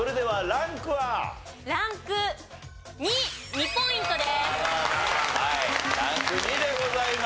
ランク２でございます。